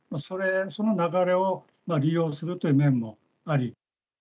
その流れを利用するという面もあり。